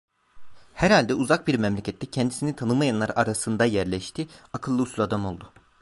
Herhalde uzak bir memlekette, kendisini tanımayanlar arasında yerleşti, akıllı uslu adam oldu…